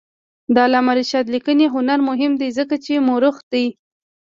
د علامه رشاد لیکنی هنر مهم دی ځکه چې مؤرخ دی.